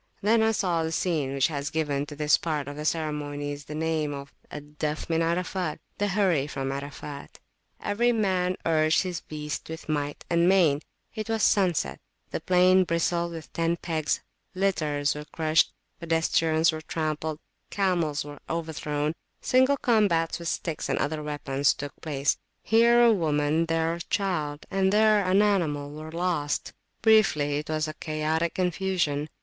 Then I saw the scene which has given to this part of the ceremonies the name of Al Dafa min Arafat, the Hurry from Arafat. Every man urged his beast with might and main: it was sunset; the plain bristled with tent pegs, litters were crushed, pedestrians were trampled, camels were overthrown: single combats with sticks and other weapons took place; here a woman, there a child, and there an animal were lost; briefly, it was a chaotic confusion.